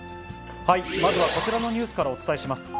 まずはこちらのニュースからお伝えします。